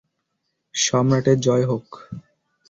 সম্রাটের জয় হোক!